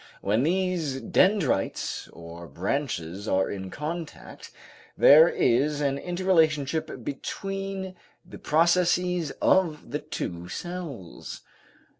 When these dendrites or branches are in contact, there is an interrelationship between the processes of the two cells.